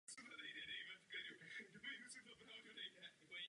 K tomu nestačí předkládat rezoluce v Radě bezpečnosti.